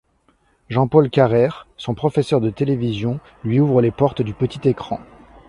Jean-Paul Carrère, son professeur de télévision, lui ouvre les portes du petit écran.